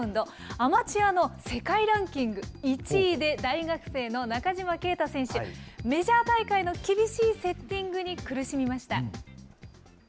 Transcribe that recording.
アマチュアの世界ランキング１位で大学生の中島啓太選手、メジャー大会の厳しいセッティングに苦しみました。